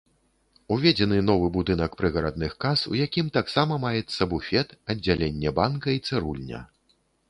Уведзены новы будынак прыгарадных кас, у якім таксама маецца буфет, аддзяленне банка і цырульня.